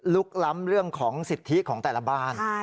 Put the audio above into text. ล้ำเรื่องของสิทธิของแต่ละบ้าน